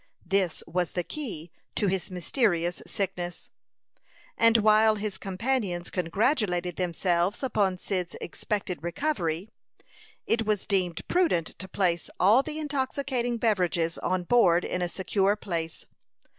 This was the key to his mysterious sickness; and while his companions congratulated themselves upon Cyd's expected recovery, it was deemed prudent to place all the intoxicating beverages on board in a secure place.